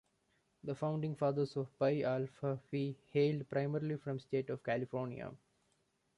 The Founding Fathers of Pi Alpha Phi hailed primarily from the state of California.